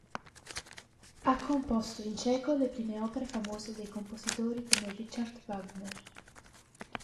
Ha composto in ceco le prime opere famose di compositori come Richard Wagner.